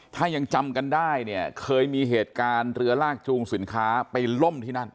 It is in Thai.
ถ้ายังจำกันได้เนี่ยเคยมีเหตุการณ์เรือลากจูงสินค้าไปล่มที่นั่น